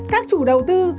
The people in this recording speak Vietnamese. các chủ đầu tư